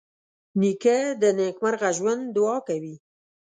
نیکه د نېکمرغه ژوند دعا کوي.